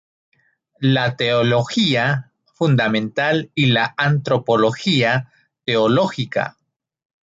La teología fundamental y la antropología teológica.